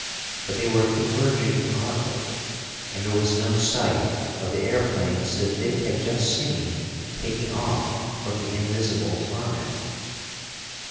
But they were converging oddly. And there was no sight of the airplanes that Dick had just seen taking off from the invisible tarmac.